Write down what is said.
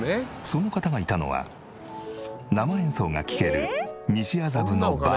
その方がいたのは生演奏が聴ける西麻布のバー。